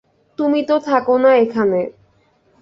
তুমি তো থাকো না এখানে।